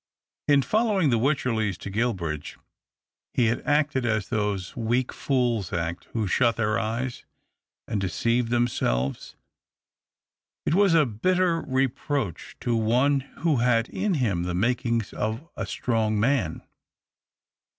In following the Wycherleys to Guilbridge, he had acted as those weak fools act who shut their eyes and deceive themselves. It was a bitter reproach to one who had in him the makings of a strong man.